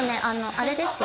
あれですよ